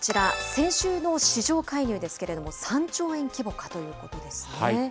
先週の市場介入ですけれども、３兆円規模かということですね。